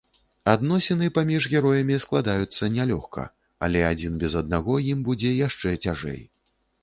Адносіны паміж героямі складаюцца нялёгка, але адзін без аднаго ім будзе яшчэ цяжэй.